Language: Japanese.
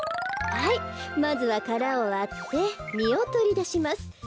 はいまずはからをわってみをとりだします。